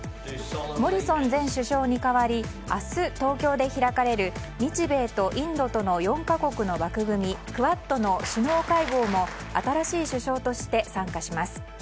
モリソン前首相に代わり明日、東京で開かれる日米とインドとの４か国の枠組みクアッドの首脳会合も新しい首相として参加します。